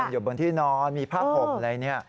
อยู่บนที่นอนมีผ้าห่มอะไรเนี่ย